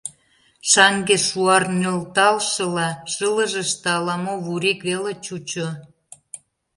Шаҥге шуар нӧлталшыла, шылыжыште ала-мо вурик веле чучо...